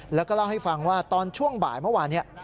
แล้วก็เล่าให้ฟังว่าตอนช่วงบ่ายเมื่อวานนี้